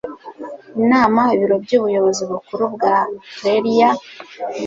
inama ibiro by ubuyobozi bukuru bwa rlea mu